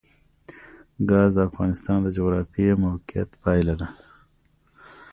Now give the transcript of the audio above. ګاز د افغانستان د جغرافیایي موقیعت پایله ده.